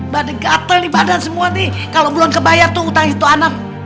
badeng gatel nih badan semua nih kalo belum kebayar tuh utangnya itu anak